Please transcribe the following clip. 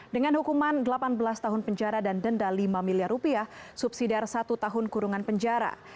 dengan hukuman delapan belas tahun penjara dan denda lima miliar rupiah subsidiar satu tahun kurungan penjara